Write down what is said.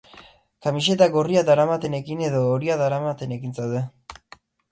Kamiseta gorria daramatenekin edo horia daramatenekin zaude.